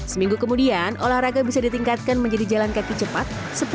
seminggu kemudian olahraga bisa ditingkatkan menjadi jalan kaki cepat